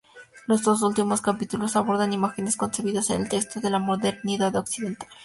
Los dos últimos capítulos abordan imágenes concebidas en el contexto de la modernidad occidental.